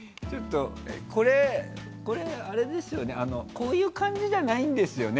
こういう感じじゃないんですよね